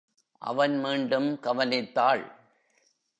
அவன் மீண்டும் கவனித்தாள்.